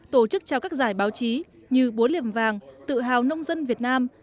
tổ chức trao các giải báo chí như búa liềm vàng tự hào nông dân việt nam